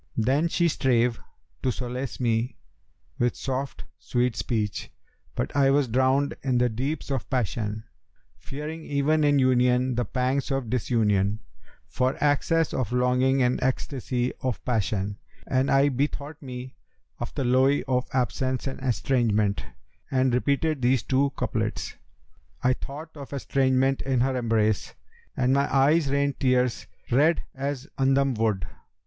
Then she strave to solace me with soft sweet speech, but I was drowned in the deeps of passion, fearing even in union the pangs of disunion, for excess of longing and ecstasy of passion; and I bethought me of the lowe of absence and estrangement and repeated these two couplets, 'I thought of estrangement in her embrace * And my eyes rained tears red as 'Andam wood.